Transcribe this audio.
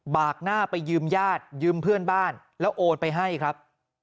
กหน้าไปยืมญาติยืมเพื่อนบ้านแล้วโอนไปให้ครับ